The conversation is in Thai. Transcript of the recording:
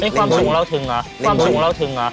ความชุดของเราถึงละ